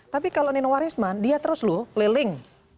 tapi kalau nino warisman dia terus lho keliling